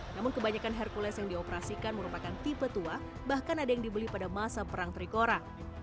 namun kebanyakan hercules yang dioperasikan merupakan tipe tua bahkan ada yang dibeli pada masa perang trikora